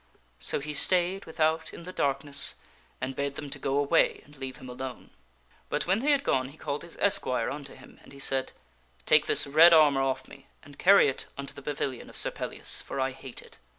So he stayed without in the darkness and bade them to go away and leave him alone. But when they had gone he called his esquire unto him and he said, *' Take this red armor off me and carry it into the pavilion of Sir Pellias, for I hate it."